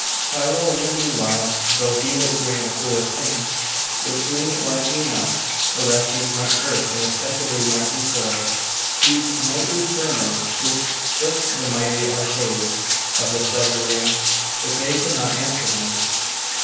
Cyril in the meanwhile, though he was doing a foolish thing, was doing it wisely enough. Orestes might curse, and respectability might deplore, those nightly sermons, which shook the mighty arcades of the Caesareum, but they could not answer them.